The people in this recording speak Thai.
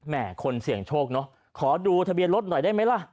คนเสี่ยงโชคเนอะขอดูทะเบียนรถหน่อยได้ไหมล่ะ